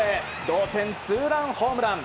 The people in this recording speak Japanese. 同点ツーランホームラン。